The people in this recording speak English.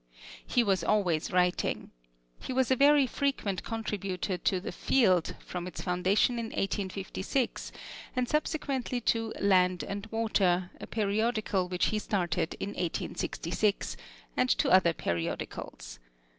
He was always writing. He was a very frequent contributor to The Field from its foundation in 1856, and subsequently to Land and Water, a periodical which he started in 1866, and to other periodicals.